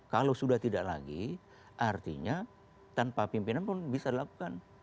kalau sudah tidak lagi artinya tanpa pimpinan pun bisa dilakukan